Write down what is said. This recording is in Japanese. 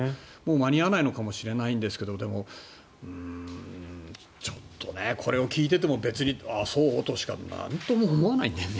間に合わないのかもしれないですけどちょっとこれを聞いていても別に、ああ、そうとしか思わないんだよね。